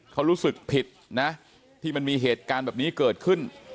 เขารู้สึกผิดนะที่มันมีเหตุการณ์แบบนี้เกิดขึ้น